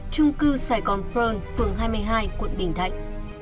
trung cư sài gòn pearl phường hai mươi hai quận bình thạnh